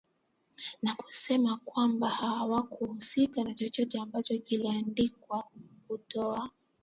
na kusema kwamba hawahusiki na chochote ambacho kiliandikwa kutoa